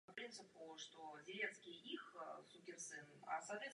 Rekonstrukcí prošlo počátkem století také obchodní centrum Luna uprostřed sídliště Bory.